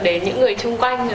đến những người chung quanh